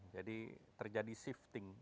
jadi terjadi shifting